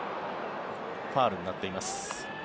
ファウルになっています。